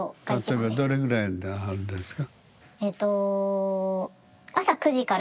例えばどれぐらいあるんですか？